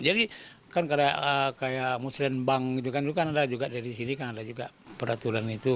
jadi kan kayak muslim bank itu kan ada juga dari sini kan ada juga peraturan itu